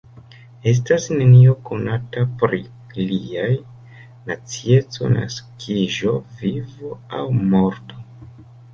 Estas nenio konata pri liaj nacieco, naskiĝo, vivo aŭ morto.